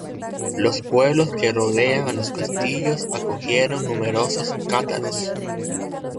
Los pueblos que rodean a los castillos acogieron numerosos cátaros.